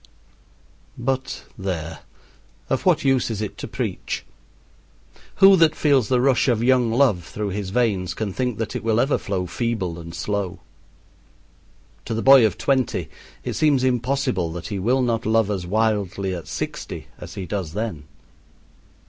But, there, of what use is it to preach? Who that feels the rush of young love through his veins can think it will ever flow feeble and slow! To the boy of twenty it seems impossible that he will not love as wildly at sixty as he does then.